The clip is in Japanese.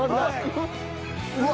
うわ！